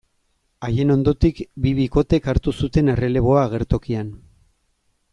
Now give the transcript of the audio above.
Haien ondotik, bi bikotek hartu zuten erreleboa agertokian.